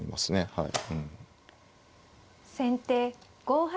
はい。